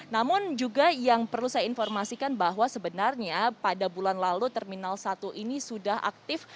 namun juga yang perlu saya informasikan bahwa sebenarnya pada bulan lalu terminal satu ini sudah aktif